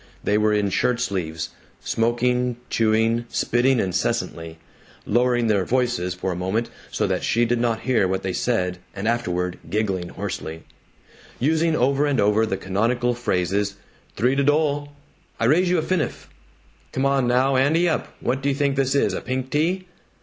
They were in shirt sleeves; smoking, chewing, spitting incessantly; lowering their voices for a moment so that she did not hear what they said and afterward giggling hoarsely; using over and over the canonical phrases: "Three to dole," "I raise you a finif," "Come on now, ante up; what do you think this is, a pink tea?"